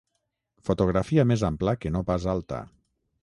Fotografia més ampla que no pas alta.